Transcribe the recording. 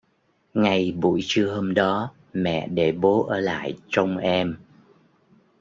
ngay buổi trưa hôm đó mẹ để bố ở lại trông em